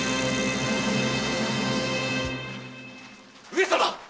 上様